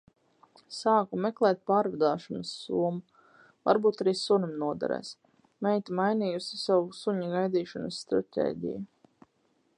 Sāku meklēt pārvadāšanas somu. Varbūt arī sunim noderēs. Meita mainījusi savu suņa gaidīšanas stratēģiju.